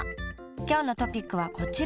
今日のトピックはこちら。